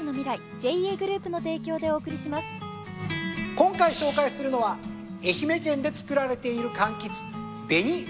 今回紹介するのは愛媛県で作られているかんきつ。